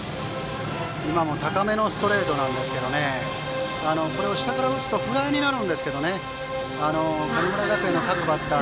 高めのストレートですがこれを下から打つとフライになるんですが神村学園の各バッター